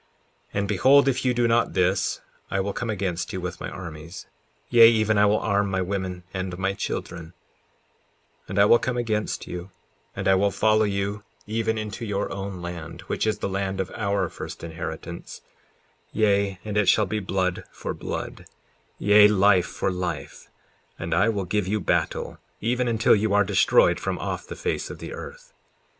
54:12 And behold, if you do not this, I will come against you with my armies; yea, even I will arm my women and my children, and I will come against you, and I will follow you even into your own land, which is the land of our first inheritance; yea, and it shall be blood for blood, yea, life for life; and I will give you battle even until you are destroyed from off the face of the earth.